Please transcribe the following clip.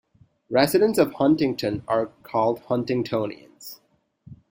Residents of Huntington are called Huntingtonians.